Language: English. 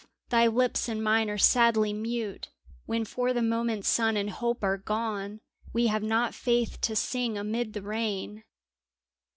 Thy lips and mine are sadly mute When for the moment sun and hope are gone — We have not faith to sing amid the rain!